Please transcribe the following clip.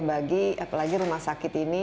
bagi apalagi rumah sakit ini